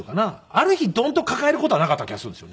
ある日ドンと抱える事はなかった気がするんですよね。